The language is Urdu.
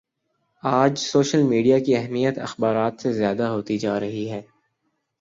آج سوشل میڈیا کی اہمیت اخبارات سے زیادہ ہوتی جا رہی ہے